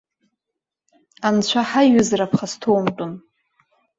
Анцәа, ҳаиҩызара ԥхасҭоумтәын!